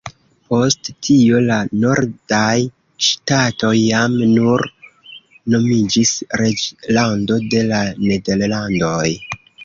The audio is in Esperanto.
Post tio la nordaj ŝtatoj jam nur nomiĝis Reĝlando de la Nederlandoj.